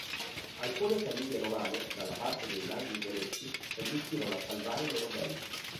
Alcune famiglie romane, dalla parte dei lanzichenecchi, riuscirono a salvare i loro beni.